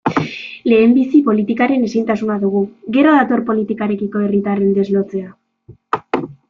Lehenbizi politikaren ezintasuna dugu, gero dator politikarekiko herritarren deslotzea.